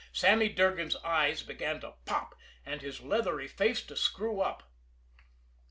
Sammy Durgan's eyes began to pop, and his leathery face to screw up.